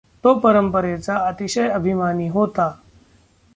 तो परंपरेचा अतिशय अभिमानी होता.